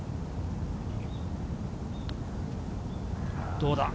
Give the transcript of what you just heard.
どうだ？